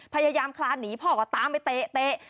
พยายามคลานหนีพ่อก็ตามไปเตะ